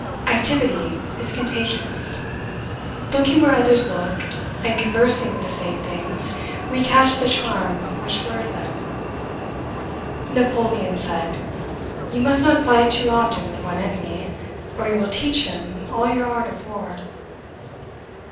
Activity is contagious. Looking where others look, and conversing with the same things, we catch the charm which lured them. Napoleon said, "you must not fight too often with one enemy, or you will teach him all your art of war."